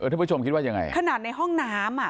ถ้าชมคลิอายุอย่างไรขนาดในห้องน้ำอ่ะ